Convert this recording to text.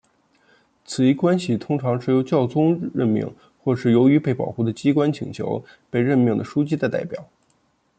此一关系通常是由教宗任命或是由于被保护的机关请求被任命的枢机的代表。